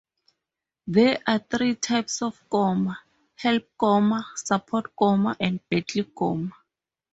There are three types of koma: help koma, support koma and battle koma.